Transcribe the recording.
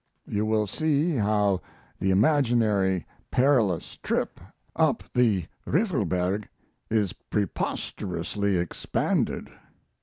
You will see how the imaginary perilous trip up the Riffelberg is preposterously expanded.